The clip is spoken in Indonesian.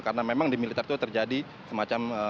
karena memang di militer itu terjadi semacam